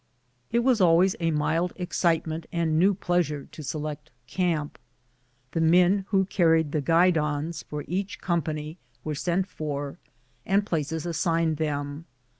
It was always a mild excitement and new pleasure to select camp. The men who carried the guidons for each company were sent for, and places assigned them.